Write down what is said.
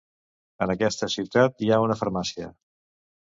En aquesta ciutat hi ha una farmàcia.